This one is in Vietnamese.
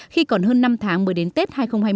khi còn hơn năm tháng mới đến tết hai nghìn hai mươi